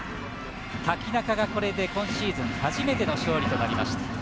瀧中がこれで今シーズン初めての勝利となりました。